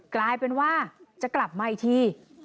กลายเป็นว่าจะกลับมาอีกที